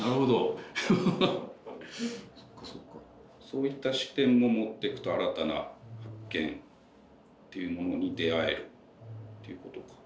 そういった視点も持ってくと新たな発見というものに出会えるということか。